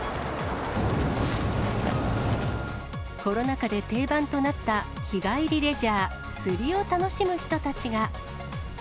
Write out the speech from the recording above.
コロナ禍で定番となった日帰りレジャー、釣りを楽しむ人たちが。